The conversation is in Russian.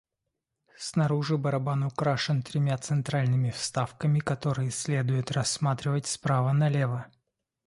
Снаружи барабан украшен тремя центральными вставками, которые следует рассматривать справа налево.